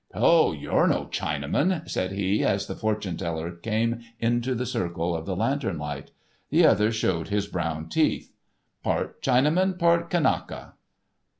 "Hoh! You're no Chinaman," said he, as the fortune teller came into the circle of the lantern light. The other showed his brown teeth. "Part Chinaman, part Kanaka."